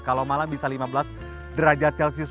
kalau malam bisa lima belas derajat celcius